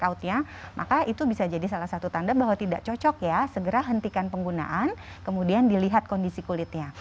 kalau itu bisa jadi salah satu tanda bahwa tidak cocok ya segera hentikan penggunaan kemudian dilihat kondisi kulitnya